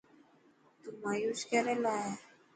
تو مايوس ڪيريريلا هي.